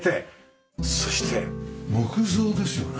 そして木造ですよね？